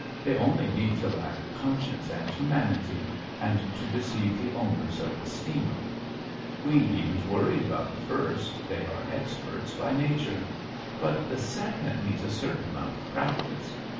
They only need to lack conscience and humanity, and to deceive the owners of the steamer. We needn't worry about the first, they are experts by nature; but the second needs a certain amount of practice.